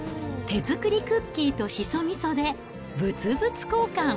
手作りクッキーとしそみそで物々交換。